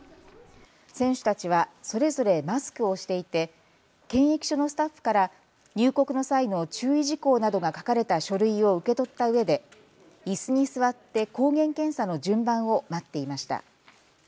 選手たちはそれぞれマスクをしていて検疫所のスタッフから入国の際の注意事項などが書かれた書類を受け取ったうえでいすに座って抗原検査の順番を待っていました。